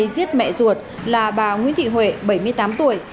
giết mẹ ruột là bà nguyễn thị huệ bảy mươi tám tuổi